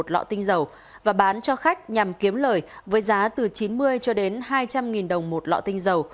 lọ tinh dầu được bán cho khách nhằm kiếm lời với giá từ chín mươi cho đến hai trăm linh đồng